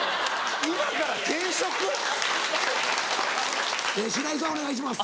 今から転職⁉白井さんお願いします。